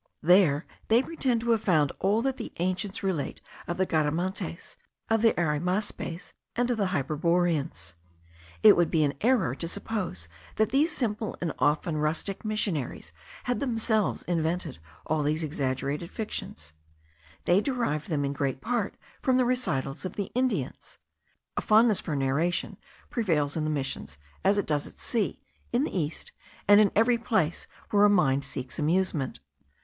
There they pretend to have found all that the ancients relate of the Garamantes, of the Arimaspes, and of the Hyperboreans. It would be an error to suppose that these simple and often rustic missionaries had themselves invented all these exaggerated fictions; they derived them in great part from the recitals of the Indians. A fondness for narration prevails in the Missions, as it does at sea, in the East, and in every place where the mind seeks amusement.